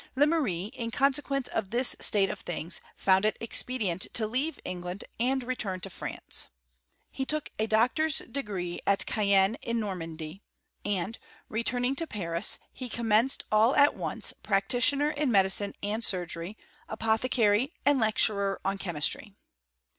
Lemery, in conse ^ quence of this state of things, found it expedient to leave England, and return to France. He took a doc tor's degree at Caen, in Normandy ; and, returning to Paris, he commenced all at once practitioner in medi* cine and surgery, apothecary, and lecturer on chemis try.